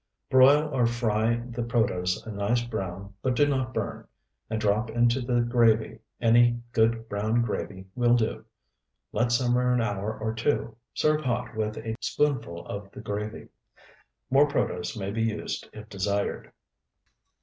Broil or fry the protose a nice brown (but do not burn) and drop into the gravy (any good brown gravy will do); let simmer an hour or two. Serve hot with a spoonful of the gravy. More protose may be used if desired.